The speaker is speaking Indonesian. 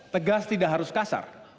tegas tidak harus kasar